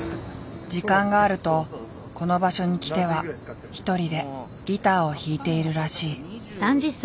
時間があるとこの場所に来ては一人でギターを弾いているらしい。